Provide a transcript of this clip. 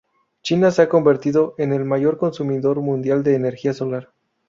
China se ha convertido en el mayor consumidor mundial de energía solar.